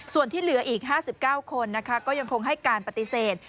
ส่วนที่เหลืออีก๕๙คนก็ยังคงให้การปฏิเสธ